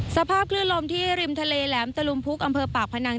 สภาพคลื่นลมที่ริมทะเลแหลมตะลุมพุกอำเภอปากพนัง